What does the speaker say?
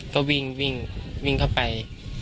ก็วิ่งวิ่งเข้าไป